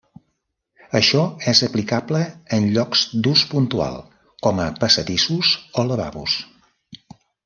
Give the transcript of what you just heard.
Això és aplicable en llocs d'ús puntual, com a passadissos o lavabos.